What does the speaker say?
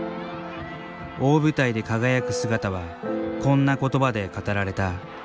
大舞台で輝く姿はこんなことばで語られた。